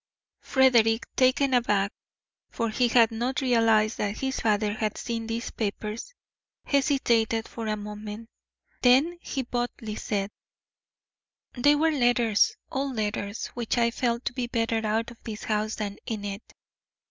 Frederick, taken aback, for he had not realised that his father had seen these papers, hesitated for a moment; then he boldly said: "They were letters old letters which I felt to be better out of this house than in it.